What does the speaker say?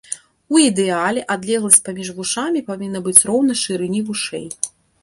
У ідэале адлегласць паміж вушамі павінна быць роўна шырыні вушэй.